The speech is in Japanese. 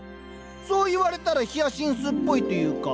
そう言われたらヒアシンスっぽいというか。